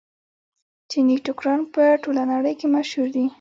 چیني ټوکران په ټوله نړۍ کې مشهور دي.